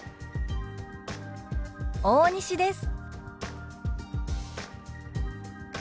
大西です」。